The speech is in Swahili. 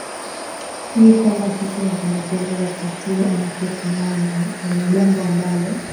ni kwamba sisi mapendekezo ya katiba mpya tunayo na ni jambo ambalo